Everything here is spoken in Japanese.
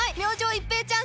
一平ちゃーん！